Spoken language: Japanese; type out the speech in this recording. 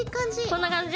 こんな感じ？